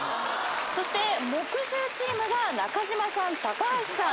そして木１０チームが中島さん橋さん。